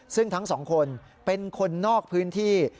ซึ่งทั้งสองคนเป็นคนนอกพื้นที่